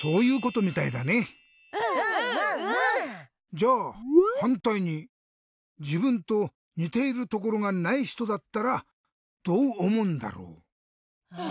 じゃあはんたいにじぶんとにているところがないひとだったらどうおもうんだろう？え？